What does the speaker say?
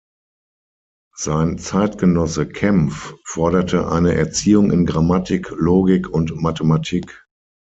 Sein Zeitgenosse Kempf forderte eine „Erziehung in Grammatik, Logik und Mathematik“.